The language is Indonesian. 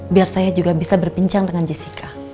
biar saya juga bisa berbincang dengan jessica